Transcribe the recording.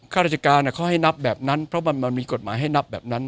ข้าราชการเขาให้นับแบบนั้นเพราะมันมีกฎหมายให้นับแบบนั้น